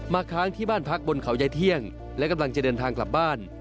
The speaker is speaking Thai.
ค้างที่บ้านพักบนเขายายเที่ยงและกำลังจะเดินทางกลับบ้าน